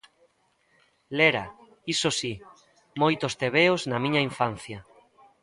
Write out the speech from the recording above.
Lera, iso si, moitos tebeos na miña infancia;